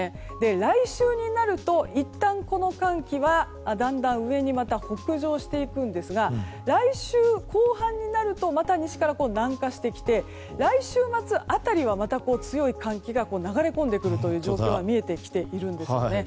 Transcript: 来週になるといったんこの寒気はだんだん上にまた北上していくんですが来週後半になるとまた西から南下してきて来週末辺りは、また強い寒気が流れ込んでくる状況が見えてきているんですよね。